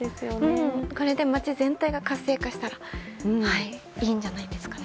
これで街全体が活性化したらいいんじゃないですかね。